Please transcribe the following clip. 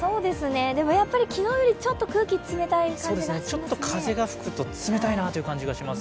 でも、やっぱり昨日よりちょっと空気が冷たい感じがします。